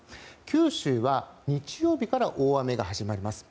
九州は日曜日から大雨が始まります。